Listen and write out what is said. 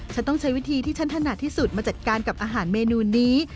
ฉันต้องใช้วิธีที่ฉันถนัดที่สุดมาจัดการกับอาหารเมนูนี้